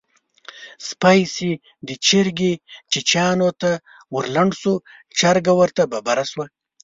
سپی چې د چرګې چیچيانو ته ورلنډ شو؛ چرګه ورته ببره شوه.